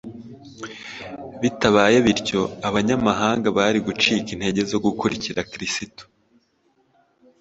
Bitabaye bityo Abanyamahanga bari gucika intege zo gukurikira Kristo.